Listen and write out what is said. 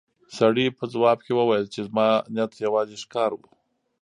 سړي په ځواب کې وویل چې زما نیت یوازې ښکار و.